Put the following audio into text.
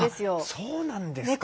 そうなんですよ。